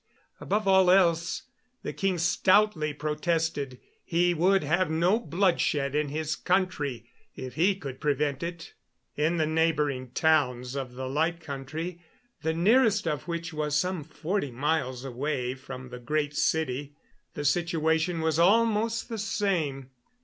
Above all else, the king stoutly protested, he would have no bloodshed in his country if he could prevent it. In the neighboring towns of the Light Country the nearest of which was some forty miles away from the Great City the situation was almost the same.